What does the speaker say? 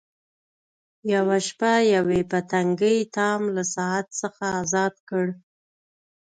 یوه شپه یوې پتنګې ټام له ساعت څخه ازاد کړ.